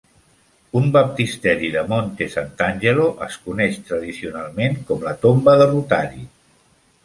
Un baptisteri de Monte Sant'Angelo es coneix tradicionalment com la "Tomba de Rothari".